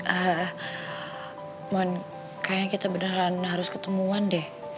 eh kayaknya kita beneran harus ketemuan deh